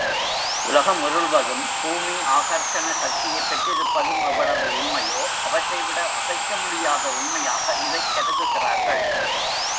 உலகம் உருள்வதும், பூமி ஆகர்ஷண சக்தியைப் பெற்றிருப்பதும் எவ்வளவு உண்மையோ, அவற்றைவிட அசைக்க முடியாத உண்மையாக இதைக் கருதுகிறார்கள்.